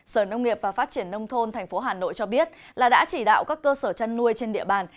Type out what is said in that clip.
sở nông nghiệp và phát triển nông thôn tp hà nội cho biết là đã chỉ đạo các cơ sở chăn nuôi trên địa bàn